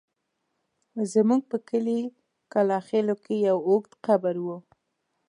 زموږ په کلي کلاخېلو کې يو اوږد قبر و.